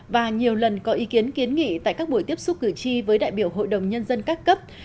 và nhiều lần có ý kiến kiến nghị tại các buổi tiếp xúc cử tri với đại biểu hội đồng nhân dân các cấp